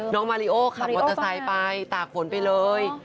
มาริโอขับมอเตอร์ไซค์ไปตากฝนไปเลย